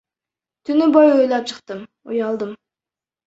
Түнү бою ыйлап чыктым, уялдым.